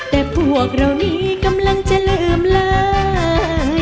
แต่พวกเรานี้กำลังจะลืมเลย